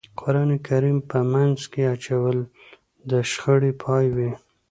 قرآن کریم په منځ کې اچول د شخړې پای وي.